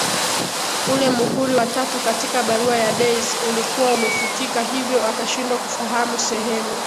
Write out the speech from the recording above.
Ule muhuri wa tatu katika barua ya Daisy ulikuwa umefutika hivyo akashindwa kufahamu sehemu